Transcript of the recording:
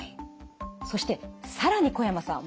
そして更に小山さん